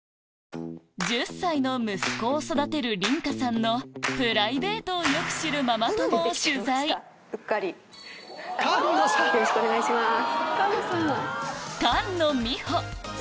１０歳の息子さんを育てる梨花さんのプライベートをよく知るママ友を取材よろしくお願いします。